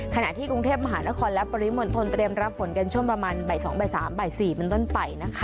ขณะที่กรุงเทพมหานครและปริมทนเตรียมรับฝนกันช่วงประมาณใบ๒ใบ๓ใบ๔มันต้นไป